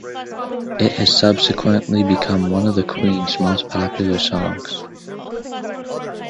It has subsequently become one of Queen's most popular songs.